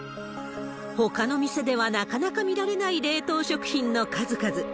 ほかの店ではなかなか見られない冷凍食品の数々。